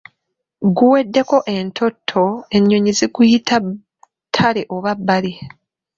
Guweddeko entonto enyonyi ziguyita ttale oba bbali.